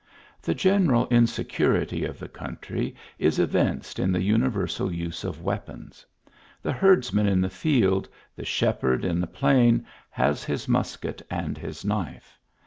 The general insecurity of the country is evinced in the universal use of weapons. The herdsman in the field, the shepherd in the plain has his musket and his knife.